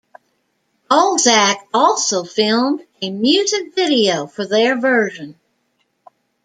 Balzac also filmed a music video for their version.